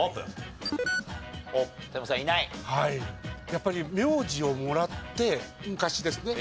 やっぱり名字をもらって昔ですね